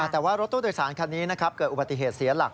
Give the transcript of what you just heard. แต่ว่ารถตู้โดยสารคันนี้นะครับเกิดอุบัติเหตุเสียหลัก